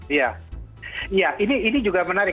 iya ini juga menarik